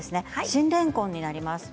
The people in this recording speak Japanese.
新れんこんになります。